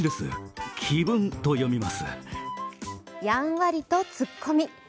やんわりとツッコミ。